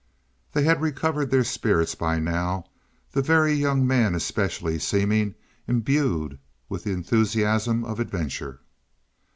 They had recovered their spirits by now, the Very Young Man especially seeming imbued with the enthusiasm of adventure.